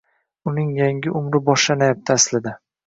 Uning yangi umri boshlanayapti aslida.